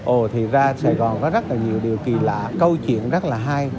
ồ thì ra sài gòn có rất là nhiều điều kỳ lạ câu chuyện rất là hay